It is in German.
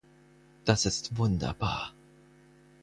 Das ist wunderbar!